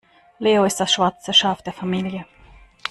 Leo ist das schwarze Schaf der Familie.